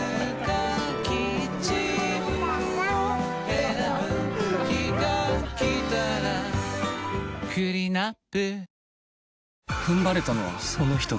選ぶ日がきたらクリナップ